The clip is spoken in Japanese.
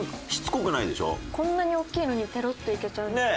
こんなに大きいのにペロッといけちゃうんですね。